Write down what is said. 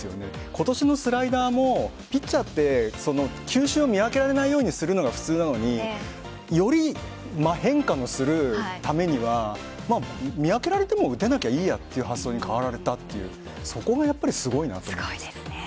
今年のスライダーもピッチャーって球種を見分けられないようにするのが普通なのにより変化をするためには見分けられても打たれなきゃいいやという発想に変わられたというそこがすごいなと思います。